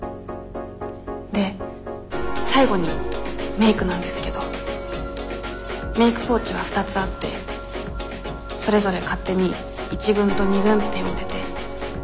で最後にメークなんですけどメークポーチは２つあってそれぞれ勝手に１軍と２軍って呼んでて。